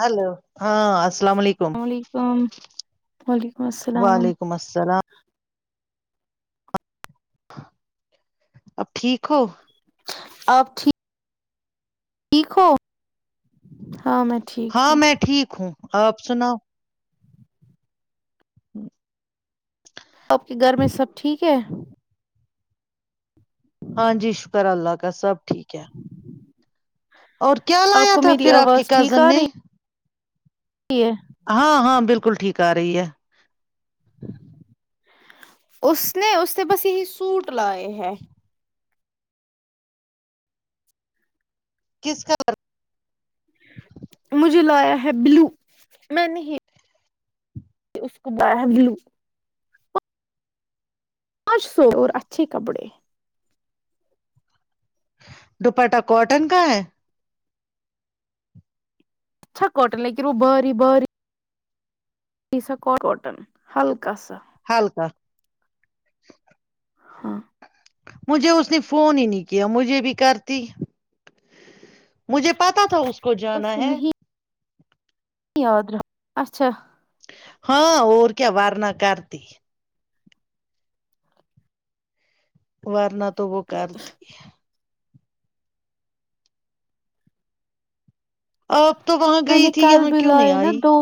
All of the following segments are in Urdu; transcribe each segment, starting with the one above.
ہلو ہاں السلام علیکم علیکم وعلیکم السلام وعلیکم السلام اب ٹھیک ہو آپ ٹھیک ٹھیک ہو ہاں میں ٹھیک ہاں ہوں میں ٹھیک ہوں آپ سناؤ [unintelligible] آپ کے گھر میں سب ٹھیک ہے ہاں جی شکر اللہ کا سب ٹھیک ہے اور کیا آپ لایا کو تھا میری پھر آپ کی آواز ٹھیک کازن آ نے [inaudible] [unintelligible] ہاں ہاں بالکل ٹھیک آ رہی ہے اس نے اس سے بس یہی سوٹ لائے ہے کس کلر؟ مجھے لایا ہے بلو میں نہیں اس کو باہر بلو پانچ سو اور اچھے کپڑے دوپٹہ کاٹن کا ہے اچھا کااٹن لیکن وہ باری باری اٹن ہلکا سا ہالکا [inaudible] ہاں مجھے اس نے فون ہی نہیں کیا مجھے بھی کرتی مجھے پتا تھا اس کو جانا اس ہے نہیں یاد رہا اچھا ہاں اور کیا وارنا کرتی وارنات تو وہ کرتی آپ تو وہاں میں گئی نے تھی کل یہاں بھی کیوں نہیں لائے نا آئی دو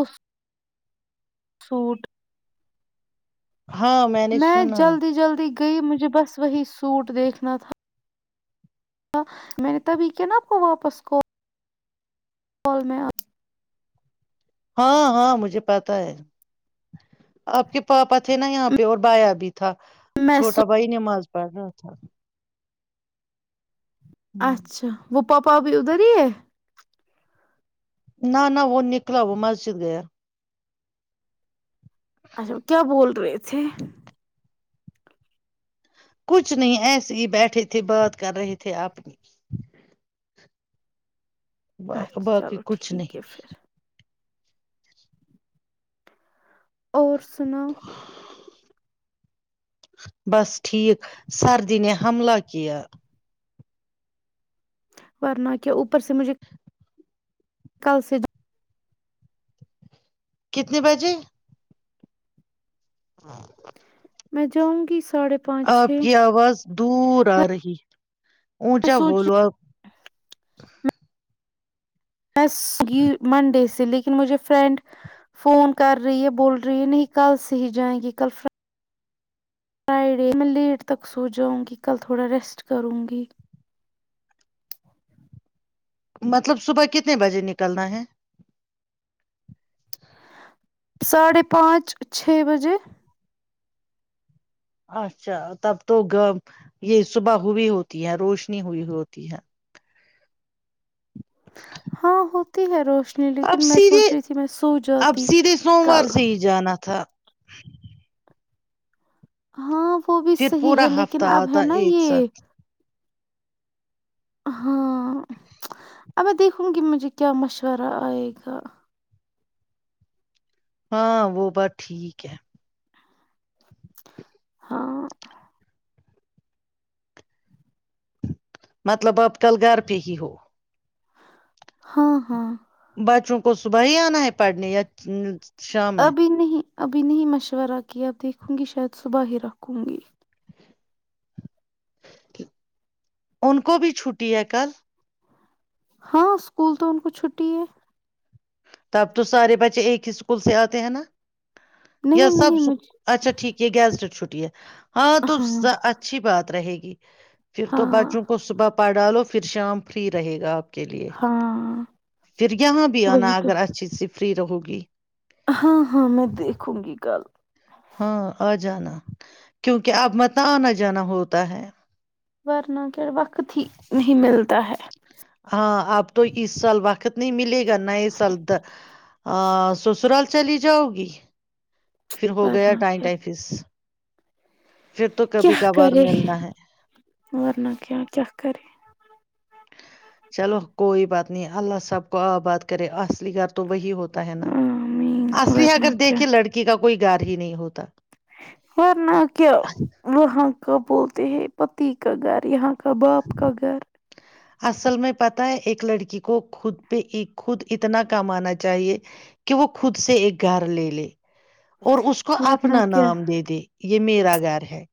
سوٹ ہاں نے میں سنا جلدی جلدی گئی مجھے بس وہی سوٹ دیکھنا تھا میں نے تبھی کیا نا اپ کو واپس کو کال میں آپ ہاں ہاں مجھے پتا ہے آپ کے پاپا تھے نا یہاں پہ اور بایا بھی تھا میں سو چھوٹا بھائی نے ماز پتا تھا اچھا وہ پاپا ا بھی ادھر ہے نہ نہ وہ نکل وہ مسجد گیا اچھا کیا بول رہے تھے کچھ نہیں ایسے ہی بیٹھے تھے بات کر رہے تھے اپنی اچھا باقی چلو کچھ ٹھیک ہے نہیں پھر اور سناو بس ٹھیک سردی نے حملہ کیا ورنہ کیا اوپر سے مجھے کل سے کتنے بجے ہاں میں جاؤں گی ساڑھے پانچ چھ آپ کی میں آواز دور آ رہی اونچا سوچ رہی ہوں بولو آپ بس منڈے سے لیکن مجھے فرینڈ فون کر رہی ہے بول رہی ہے نہیں کل سے ہی جائیں گی کل ف فرائیڈے میں لیٹ تک سو جاؤں گی کل تھوڑا ریسٹ کروں گی مطلب صبح کتنے بجے نکلنا ہے ساڑھے پانچ چھ بجے اچھا تب تو گ یہ صبح ہوئی ہوتی ہے روشنی ہوئی ہوتی ہے ہاں ہو تہ روش اب سیدھے اب سیدھے کل سوموار سے ہی جانا تھا ہاں وہ بھی پھر صحیح پورا ہے ہفتہ لیکن اب آتا ہے نا ایک یہ ساتھ ہاں اب دیکھوں گی مجھے کیا مشورہ آئے گا ہاں وہ بات ٹھیک ہے ہاں مطلب اب کل گھر پہ ہی ہو ہاں ہاں بچوں کو صبح ہی آنا ہے پڑھنے یا شام میں ابھی نہیں ابھی نہیں مشورہ کی اب دیکھوں گی شاید صبح ہی رکھوں گی ان کو بھی چھٹی ہے کل ہاں اسکول تو ان کو چھٹی ہے تب تو سارے بچے ایک ہی اسکول سے آتے ہیں نا نہیں سب نہیں مجھے اچھا ٹھیک ہے گیز چھٹی ہے ہاں تو اچھی بات رہے گی پھر تو ہاں بچوں کو صبح پڑھ ڈالو پھر شام فری رہے گا آپ کے لیے ہاں پھر یہاں بھی وہی آنا تو آگ ہر چیز سے فری رہو گی ہاں ہاں میں دیکھوں گی کل ہاں آ جانا کیونکہ اب مت آنا جانا ہوتا ہے ورنا کے وقت ہی نہیں ملتا ہے ہاں اب تو اس سال وقت کتنی ملے گی کرنا یہ سلد ا سسرال چلی جؤ گی پھر ہو گیا ورنہ ٹائن کیا ٹائفس پھر تو کیا کبھی کبھار کرے ملنا ہے ورن کے کیا کرے [unintelligible] چلو کوئی بات نہیں اللہ سب کو آ بات کرے اصلی گھر تو وہی ہوتا ہے نا آمین اصلی ورنہ اگر کیا دیکے لڑکی کا کو کوئی گار ہی نہیں ہوتا ورنہ کیا وہاں کابول ہیں پتی کا گھر یہاں کباب کا گھر [unintelligible] اصل میں پتا ہے ایک لڑکی کو خود پہ خود اتنا کم آانا چاہیے کہ وہ خود سے ایک گھر لے لے اور اس کو ورنہ اپنا کیا نام دے دے یہ یہ میرا گھر ہے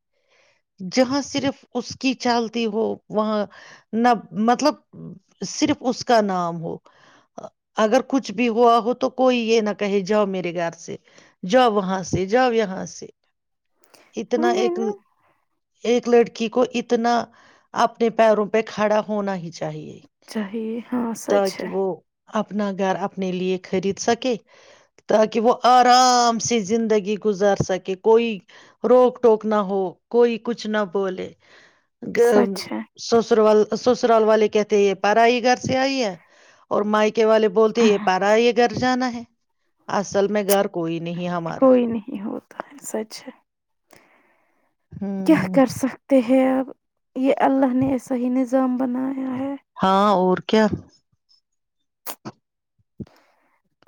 جہاں صرف اس کی چالتی ہو وہاں نہ مطلب صرف اس کا نام ہو اگر کچھ بھی ہوا ہو تو کوئی یہ نہ کہے جاؤ میرے گھر سے جاؤ وہاں سے جاؤ یہاں سے اتنا وہی ایک نا ایک لڑکی کو اتنا اپنے پیروں پہ کھڑا ہونا ہی چاہیے چاہیے ہاں سچ تاک ہے وہ اپنا گھر اپنے لیے خرید سکے تاکہ وہ آرام سے زندگی گزار سکے کوئی روک ٹوک نہ ہو کوئی کچھ نہ بولولے گ سچ ہے سسر والال [unintelligible] سسرال والے کہتے ہیں یہ پرڑائی گھر سے آئی ہے اور مائکے والے بولتے یہ پارا یہ گھر جانا ہے ہ [unintelligible] اصل میں گھر کوئی نہیں ہمارا تند سٮت سے [unintelligible] کیا ہوں کر سکتے ہیں آپ یہ اللہ نے ایسا ہی نظام بنا ہاں اور کیا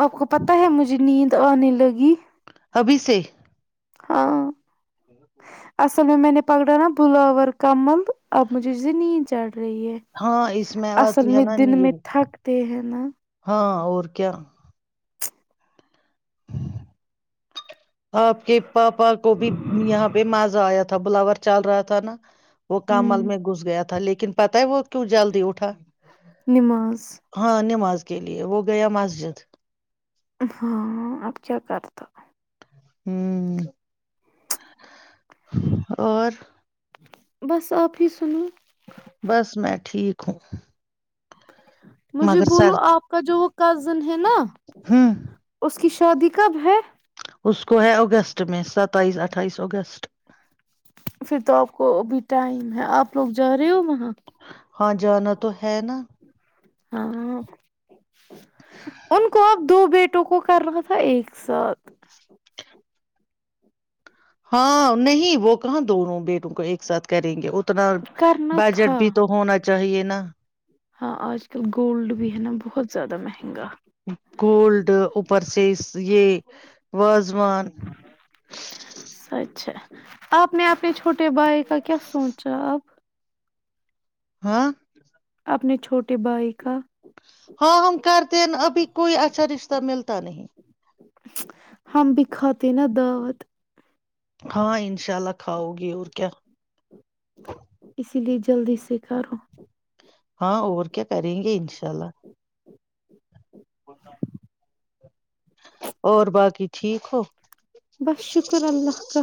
آپ کو پتاہ ہے مجھے نیند تو آنے لگی ابھی سے ہاں اصل میں میں نے پکڑا نا بلاور کمل اب مجھے نیند چڑھ رہی ہے ہاں اس میں اصل آتی ہے میں نا دن میں نیل تھکتے ہیں نا ہاں اور کیا آپ کے پاپا کو بھی یہاں پہ مزہ آیا تھا بلاور چل رہا تھا نا وہ کامل ہوں میں گھس گیا تھا لیکن لیکن پتہ ہے وہ کیوں جلدی اٹھا نماز ہاں نماز کے لیے وہ گیا مسجد ہاں اب کیا کرتا ہ اور بس آپ ہی سنو بس میں ٹھیک ہوں مجھے مگر سر بولو آپ کا جو وہ کزن ہے نا ہوں اس کی شادی کب ہے اس کو ہے اگست میں ستائیس اٹھائیس اگست پھر تو آپ کو ابھی ٹائم ہے آپ لوگ ج او ماں ہاں جانا تو ہے نا ہاں ان کو دو بیٹوں کو کر رہا تھا ایک ساتھ ہاں نہیں وہ کہاں دونوں بیٹوں کو ایک ساتھ کہ دیں گے اتنا کرنا بجٹ تھا بھی تو ہونا چاہیے نا ہاں آج کل گولڈ بھی ہے نا بہت زیادہ مہنگا کوولڈ اپر سے یہ واازان اپنے آپنے چوٹ مے بھائی کا کیا سوچ رہا اب ہاں اپنے چھوٹے بھائی کا ہاں ہم کرتے ن ابھی کوئی اچھا رشتہ ملتا نہیں ہمم بھی کاتے نا دعوت ہاں انشاءلہ کھاؤ گے اور کیا اسی لیے جلدی سے کارو ہاں اور کیا کریں گے انشاء اللہ اور باقی ٹھیک ہو بس شکر اللہ کاا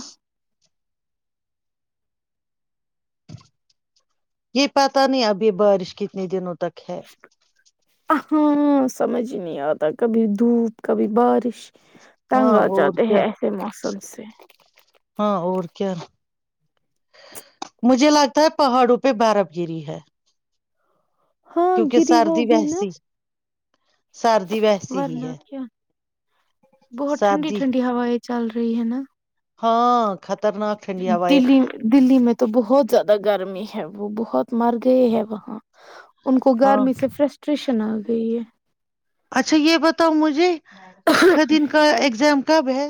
یہ پتاہ نہیں ابھی بارش کتنے دنوں تک [unintelligible] ہاں سمجھ ہی نہیں آتا کبھی دھوپ کبھی بارش ہاں تنگا اور چلتے ہیں کیا ایسے موسم [unintelligible] ہاں اور کیا مجھے لگتا ہے پہاڑوں پہ بارب گیری ہے ہاں گری ہوگی نا سرد ویسے ہی ورنہ ہے کیا بہت ٹھڈی سردی ٹھڈی ہوا ہے چل رہی ہے نا ہاں خطرناک ٹھنڈی ہوائیں دلی دلی میں تو بہت زیادہ گرمی ہے وہ بہت مر گئے ہے وہاں ان کو ہاں گرمی سے فرسٹریشن آ گئی ہے اچھا یہ بتاؤ مجھے خدین کا ایگزام کب ہے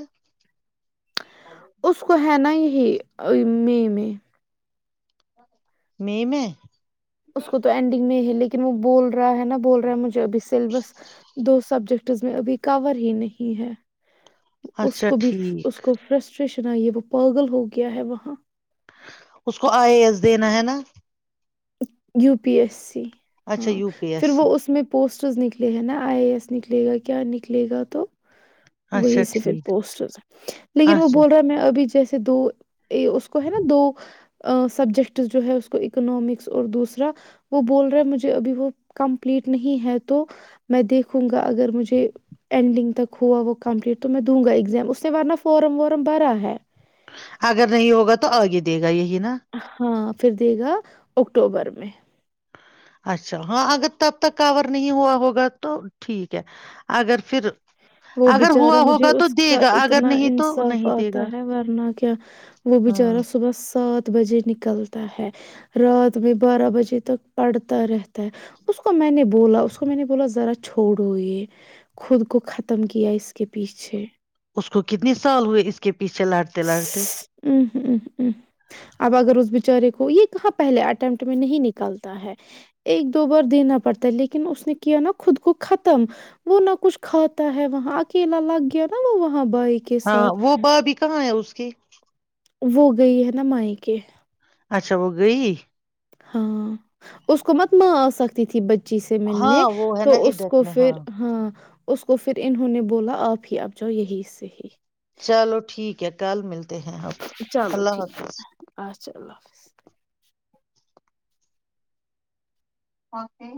اس کو ہے نا یہی مے میں م میں اس کو تو اینڈنگ میں ہی ہے لیکن کہ وہ بول رہا ہے نا بول رہا ہیں مجھے ابھی سلیبس دو سبجیکٹ میں ابھی کور ہی نہیں ہے اس اچھا کو بھی اس ٹھیک کو فرسٹریشن یہ وہ پاگل ہو گیا ہے وہاں اس کو آئی ا ایس دینا ہے نا یو پی ایس سی اچھا ہاں یو پی پھر ایس سی وہ اس میں پوسٹ ز نکلے ہیں نا آئی اے ایس نکلے گا کیا نکلے گا تو وہی اچھا سے پھر ٹھیک پوسٹ ہوتا لیکن وہ اچھا بول رہا میں ابھی جیسے سے دو یہ اس کو ہے نا دو سبجیکٹس جو ہے اس کو اکنامکس اور دوسرا وہ بول رہا مجھے ابھی وہ کمپلیٹ نہیں ہے تو میں دیکھوں گا اگر مجھے اینڈنگ تک ہوا وہ کمپلیٹ تو میں دوں گا ایگزام اس نے ارنہ فارم وارم بھرا ہے اگر نہیں ہوگا تو آگے دے گا یہی نا ہاں پھر دے گا اکٹوبر میں اچھا ہاں اگر تب تک کور نہیں ہوا ہوگا تو ٹھیک ہے اگر پھر وہ اگر ہوا بچارہ مجھے ہوگا تو اس دے کا گا اگر اتنا نہیں تو انصاف نہیں دے آتا گا ہے ورنہ کیا وہ ہاں بچارہ صبح سات بجے نکلتا ہے رات میں بارہ بجے تک پڑتا رہتا ہے اس کو میں نے بولا اس کو میں نے بولا ذرا چھوڑو یہ خود کو کو ختم کیا اس کے پیچھے اس کو کتنے سال ہوئے اس کے پیچھے لڑتے لڑتے ہ اب اگر اس بچارے کو یہ کہاں پہلے اٹیمپٹ میں نہیں نکلتا ہے ایک دو بار دینا پڑتا ہے لیکن اس نے کیا نا خود کو ختم وہ نہ کچھ کھاتا ہے وہاں اکیلا لگ گیا نا وہ وہ ہاں وہ با بھی کہاں ہے اس جی وہ گئی ہے نا مائ کے اچھا وہ گئی ہاں اس کو مت ماں آ سکتی تھی ب جی سے ملنے ہاں وہ ہے تو نا اس ادھر کو میں پھر ہاں اس کو پھر انہوں نے بولا آپ ہی اب جاؤ یہی سےح ہی چلو ٹھیک ہے کال ملتا ہیں ا چلو اللہ ٹھیک ہے حافظ اچھا اللہ حافظ اوکے